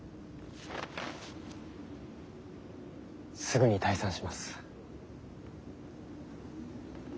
すぐに退散します。